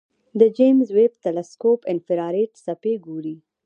د جیمز ویب تلسکوپ انفراریډ څپې ګوري.